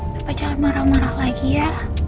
supaya jangan marah marah lagi ya